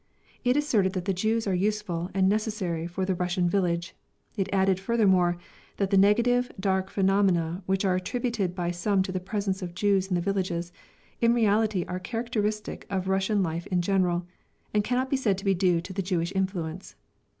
It asserted that the Jews are useful and necessary for the Russian village. It added, furthermore, that the negative, dark phenomena which are attributed by some to the presence of Jews in the villages, in reality are characteristic of Russian life in general, and cannot be said to be due to the Jewish influence.